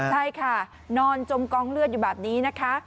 ใช่ค่ะนอนจมกองเลือดอยู่แบบนี้นะคะ